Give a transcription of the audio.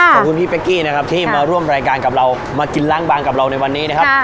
ขอบคุณพี่เป๊กกี้นะครับที่มาร่วมรายการกับเรามากินล้างบางกับเราในวันนี้นะครับ